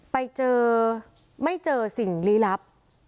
ไปเจอไม่เจอสิ่งลี้ลับ